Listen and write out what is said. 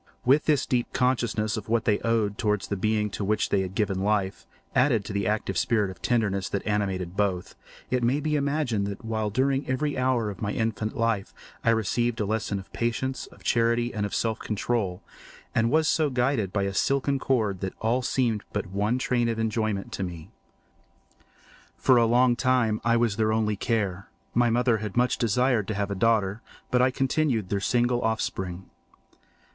With this deep consciousness of what they owed towards the being to which they had given life, added to the active spirit of tenderness that animated both, it may be imagined that while during every hour of my infant life I received a lesson of patience, of charity, and of self control, I was so guided by a silken cord that all seemed but one train of enjoyment to me. For a long time I was their only care. My mother had much desired to have a daughter, but I continued their single offspring.